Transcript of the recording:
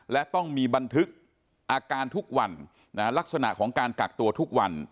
และต้องมีบันทึกอาการทุกวันลักษณะของการกักตัวทุกวัน